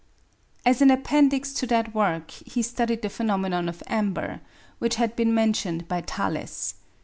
As an appendix to that work he studied the phenomenon of amber, which had been mentioned by Thales.